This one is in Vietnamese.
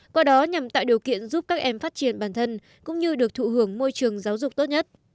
qua đó nhằm tạo điều kiện giúp các em phát triển bản thân cũng như được thụ hưởng môi trường giáo dục tốt nhất